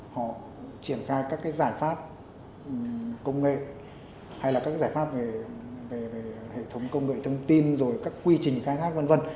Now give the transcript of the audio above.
họ triển khai các cái giải pháp công nghệ hay là các giải pháp về hệ thống công nghệ thông tin rồi các quy trình khai thác v v